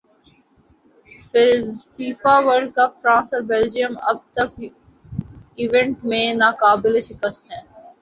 FIFA world cup France اور Belgium اب تک ایونٹ میں ناقابل شکست ہیں